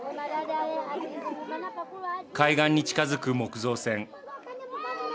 海岸に近づく木造船。